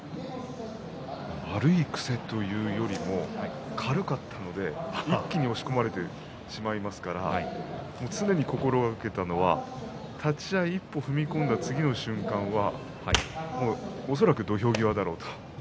悪い癖というよりも軽かったので一気に押し込まれてしまいますから常に心がけたのは立ち合い一歩踏み込んだ次の瞬間は恐らく土俵際だろうと。